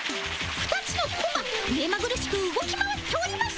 ２つのコマ目まぐるしく動き回っております。